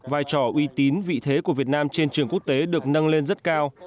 vai trò uy tín vị thế của việt nam trên trường quốc tế được nâng lên rất cao